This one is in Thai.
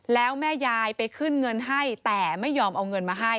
แล้วแม่ยายไปขึ้นเงินให้แต่ไม่ยอมเอาเงินมาให้